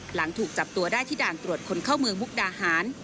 หลังถูกจับตัวได้ที่ด่านตรวจคนเข้าเมืองมุกดาหาร